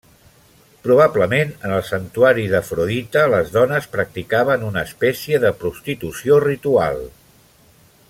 Probablement en el santuari d'Afrodita les dones practicaven una espècie de prostitució ritual.